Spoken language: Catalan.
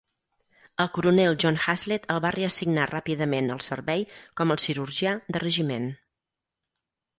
El coronel John Haslet el va reassignar ràpidament al servei com el cirurgià de regiment.